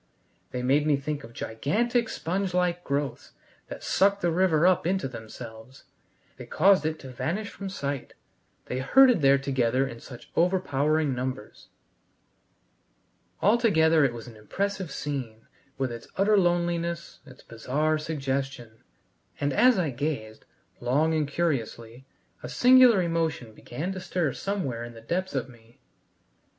They made me think of gigantic sponge like growths that sucked the river up into themselves. They caused it to vanish from sight. They herded there together in such overpowering numbers. Altogether it was an impressive scene, with its utter loneliness, its bizarre suggestion; and as I gazed, long and curiously, a singular emotion began stir somewhere in the depths of me.